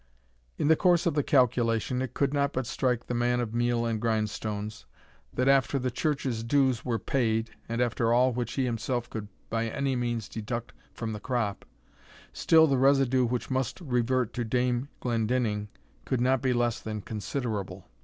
In the course of the calculation it could not but strike the man of meal and grindstones, that after the church's dues were paid, and after all which he himself could by any means deduct from the crop, still the residue which must revert to Dame Glendinning could not be less than considerable.